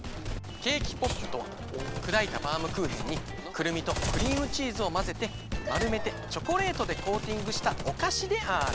ケーキポップとはくだいたバウムクーヘンにくるみとクリームチーズをまぜてまるめてチョコレートでコーティングしたおかしである！